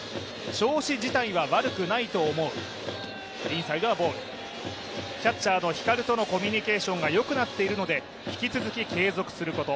調子自体は悪くないと思う、キャッチャーの光とのコミュニケーションがよくなっているので引き続き継続すること。